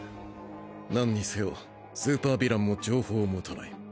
なんにせよスーパーヴィランも情報を持たない。